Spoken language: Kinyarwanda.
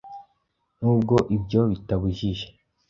n’ubwo ibyo bitabujije